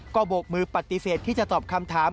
ก็โบกมือปฏิเสธที่จะตอบคำถาม